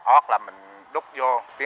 ốc là mình đúc vô